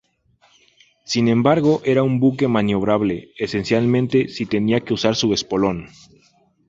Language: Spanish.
Sin embargo, era un buque maniobrable, esencialmente, si tenía que usar su espolón.